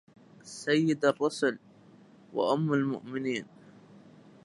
سيد الرسل وأم المؤمنين